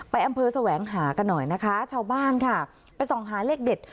อำเภอแสวงหากันหน่อยนะคะชาวบ้านค่ะไปส่องหาเลขเด็ด